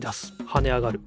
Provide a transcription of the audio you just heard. はね上がる。